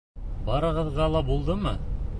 Барығыҙға ла булдымы?